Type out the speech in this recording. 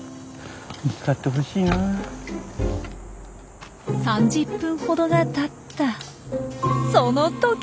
３０分ほどがたったその時。